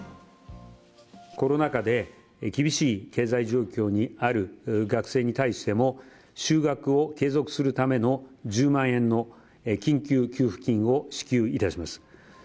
コロナ禍で厳しい経済状況にある学生に対しても就学を継続するための１０万円の緊急給付金を支給いたします。